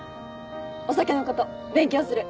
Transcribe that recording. お酒のこと勉強する！